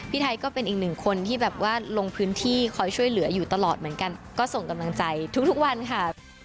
ไทยก็เป็นอีกหนึ่งคนที่แบบว่าลงพื้นที่คอยช่วยเหลืออยู่ตลอดเหมือนกันก็ส่งกำลังใจทุกวันค่ะ